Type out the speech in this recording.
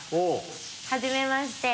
はじめまして！